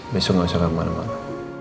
besok nggak usah kemana mana